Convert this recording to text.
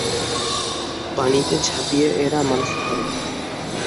পানিতে ঝাঁপিয়ে এরা মাছ ধরে।